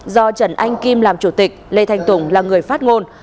do trần anh kim làm chủ tịch lê thanh tùng là người phát ngôn